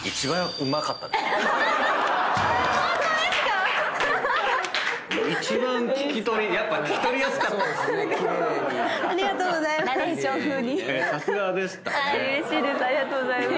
うれしいです。